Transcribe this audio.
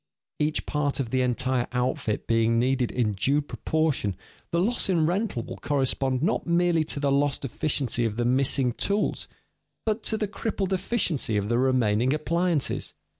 Each part of the entire outfit being needed in due proportion, the loss in rental will correspond not merely to the lost efficiency of the missing tools, but to the crippled efficiency of the remaining appliances.